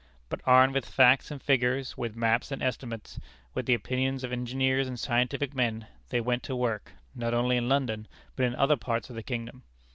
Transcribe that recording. But armed with facts and figures, with maps and estimates, with the opinions of engineers and scientific men, they went to work, not only in London, but in other parts of the kingdom.